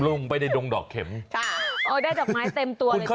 ลงไปในดงดอกเข็มค่ะได้ดอกไม้เต็มตัวในชีวิต